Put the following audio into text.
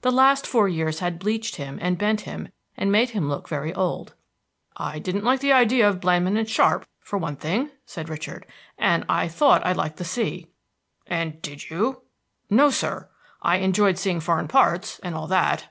The last four years had bleached him and bent him and made him look very old. "I didn't like the idea of Blandmann & Sharpe, for one thing," said Richard, "and I thought I liked the sea." "And did you?" "No, sir! I enjoyed seeing foreign parts, and all that."